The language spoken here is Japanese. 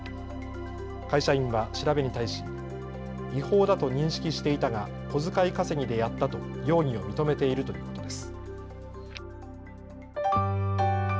会社員は調べに対し違法だと認識していたが小遣い稼ぎでやったと容疑を認めているということです。